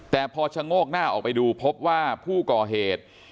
แต่พอชะโงกหน้าออกไปดูพบว่าผู้ก่อเหตุ